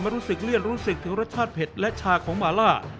รู้สึกเลื่อนรู้สึกถึงรสชาติเผ็ดและชาของมาล่า